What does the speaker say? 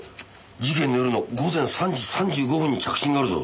事件の夜の午前３時３５分に着信があるぞ。